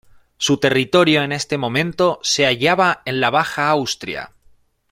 Su territorio en ese momento se hallaba en la Baja Austria.